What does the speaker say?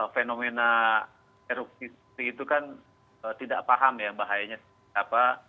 fenomena erupsi itu kan tidak paham ya bahayanya siapa